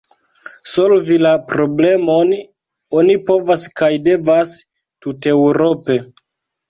Solvi la problemon oni povas kaj devas tuteŭrope.